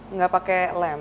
nggak pakai lem